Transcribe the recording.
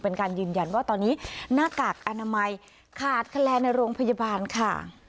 เป็นการยืนยันว่าตอนนี้หน้ากากอนามัยขาดแคลนในโรงพยาบาลค่ะ